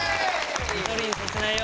一人にさせないよ。